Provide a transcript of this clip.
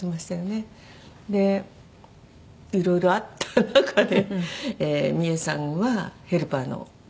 いろいろあった中でミエさんはヘルパーの。